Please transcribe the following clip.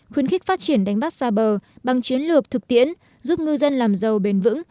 khuyến khích phát triển đánh bắt xa bờ bằng chiến lược thực tiễn giúp ngư dân làm giàu bền vững